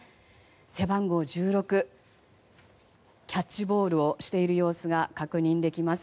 背番号１６、キャッチボールをしている様子が確認できます。